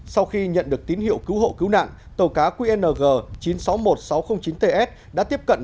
sau khi nhận được tín hiệu cứu hộ cứu nạn tàu cá qng chín trăm sáu mươi một nghìn sáu trăm linh chín ts đã tiếp cận